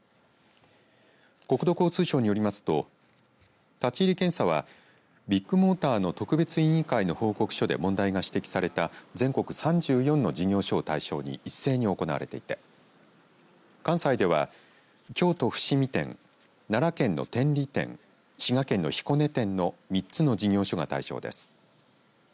国土交通省によりますと立ち入り検査はビッグモーターの特別委員会の報告書で問題が指摘された全国３４の事業所を対象に一斉に行われていて関西では、京都伏見店奈良県の天理店滋賀県の彦根店の３つの事業所が対象です。